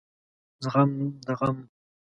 زغم د غم